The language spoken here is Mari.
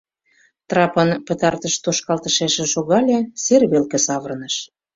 Трапын пытартыш тошкалтышешыже шогале, сер велке савырныш.